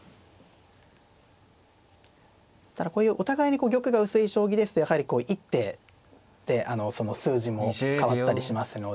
こういうお互いに玉が薄い将棋ですとやはり一手で数字も変わったりしますので。